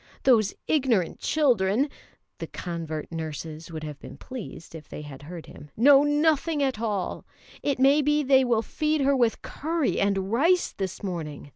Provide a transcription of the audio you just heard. Those ignorant children" (the convert nurses would have been pleased if they had heard him) "know nothing at all. It may be they will feed her with curry and rice this morning.